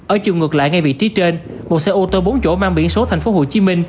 ở chiều ngược lại ngay vị trí trên một xe ô tô bốn chỗ mang biển số tp hcm